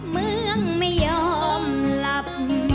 เมืองไม่ยอมหลับ